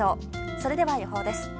それでは予報です。